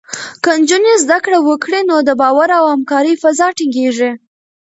که نجونې زده کړه وکړي، نو د باور او همکارۍ فضا ټینګېږي.